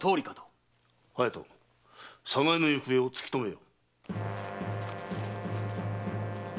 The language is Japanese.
隼人早苗の行方を突き止めよ。